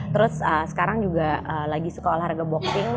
terus sekarang juga lagi suka olahraga boxing